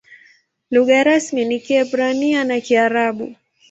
Lugha rasmi ni Kiebrania na Kiarabu.